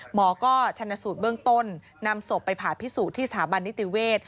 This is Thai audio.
หมอก็ชนะสูตรเบื้องต้นนำศพไปผ่าพิสูจน์ที่สถาบันนิติเวศ